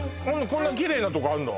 こんなきれいなとこあんの？